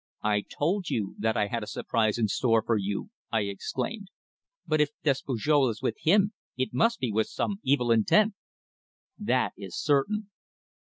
"I told you that I had a surprise in store for you," I exclaimed. "But if Despujol is with him it must be with some evil intent!" "That is certain!"